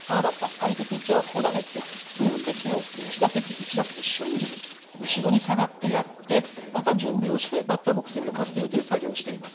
相手ピッチャーはこうだねって分析を一打席一打席瞬時に後ろに下がってやってまた準備をしてバッターボックスに向かっているという作業をしています。